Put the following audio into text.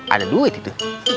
ada duit itu